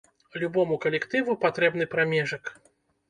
Любому калектыву патрэбны прамежак.